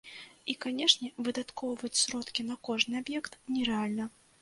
І, канешне, выдаткоўваць сродкі на кожны аб'ект нерэальна.